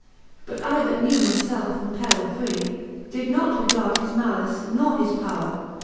But I, that knew my ielfe from peril! free. Did nought regard his malice nor his powre.